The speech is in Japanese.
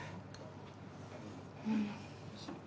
うん。